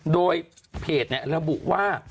โดยเพจระบุว่า